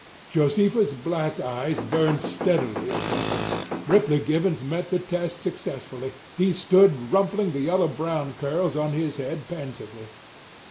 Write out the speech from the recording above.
Josefa's black eyes burned steadily upon him. Ripley Givens met the test successfully. He stood rumpling the yellow brown curls on his head pensively.